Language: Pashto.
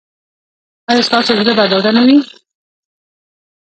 ایا ستاسو زړه به ډاډه نه وي؟